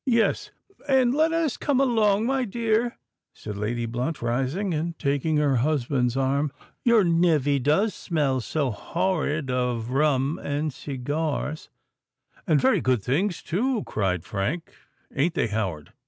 "Yes—and let us come along, my dear," said Lady Blunt, rising and taking her husband's arm. "Your nev vy does smell so horrid of rum and cigars——" "And very good things too," cried Frank; "ain't they, Howard?